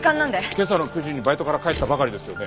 今朝の９時にバイトから帰ったばかりですよね？